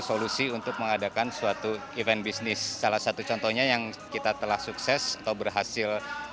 solusi untuk mengadakan suatu event bisnis salah satu contohnya yang kita telah sukses atau berhasil